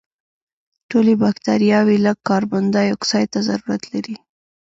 ټولې بکټریاوې لږ کاربن دای اکسایډ ته ضرورت لري.